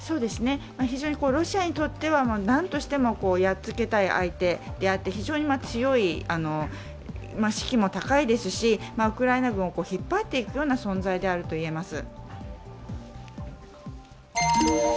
非常にロシアにとってはなんとしてもやっつけたい相手であって、非常に強い、士気も高いですし、ウクライナ軍を引っ張っていくような存在であるといえます。